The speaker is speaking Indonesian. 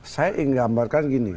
saya ingin menggambarkan gini